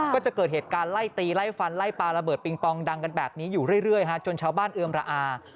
ก็จะเกิดเหตุการณ์ไล่ตีไล่ฟันไล่ปลาระเบิดปิงปองดังกันแบบนี้อยู่เรื่อยจนชาวบ้านเอือมระอา